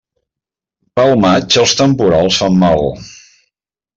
Pel maig, els temporals fan mal.